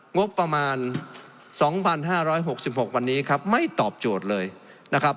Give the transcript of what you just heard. งบประมาณสองพันห้าร้อยหกสิบหกวันนี้ครับไม่ตอบโจทย์เลยนะครับ